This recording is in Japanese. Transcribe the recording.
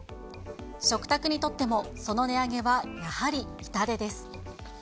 食卓にとってもその値上げはやはり痛手です。